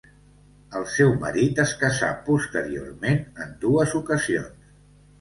El seu marit es casà posteriorment en dues ocasions.